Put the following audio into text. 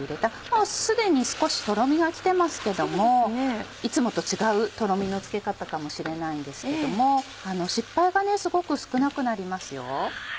もうすでに少しとろみが来てますけどもいつもと違うとろみのつけ方かもしれないんですけども失敗がすごく少なくなりますよ。